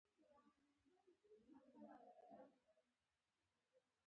چې څلور زره پنځه سوه کاله دمخه ودان شوی دی.